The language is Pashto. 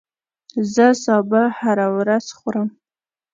زه سابه هره ورځ خورم